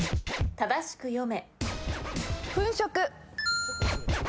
正しく読め。